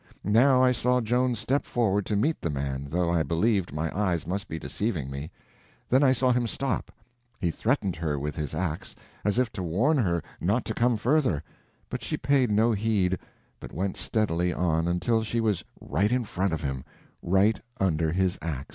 Now I saw Joan step forward to meet the man, though I believed my eyes must be deceiving me. Then I saw him stop. He threatened her with his ax, as if to warn her not to come further, but she paid no heed, but went steadily on, until she was right in front of him—right under his ax.